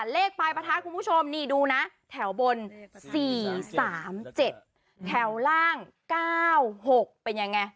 เลขปลายประทัดคุณผู้ชมนี่ดูนะแถวบน๔๓๗แถวล่าง๙๖เป็นยังไง